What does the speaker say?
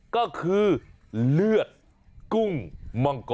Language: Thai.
ก็คือเลือดกุ้งมังกร